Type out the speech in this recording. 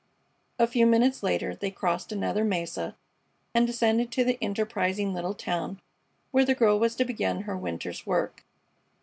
A few minutes later they crossed another mesa and descended to the enterprising little town where the girl was to begin her winter's work.